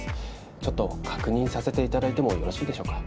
ちょっと確認させていただいてもよろしいでしょうか？